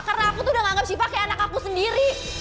karena aku tuh udah nganggep syifa kayak anak aku sendiri